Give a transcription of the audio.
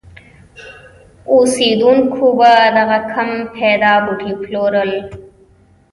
اوسېدونکو به دغه کم پیدا بوټي پلورل.